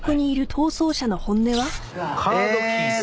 カードキー３枚。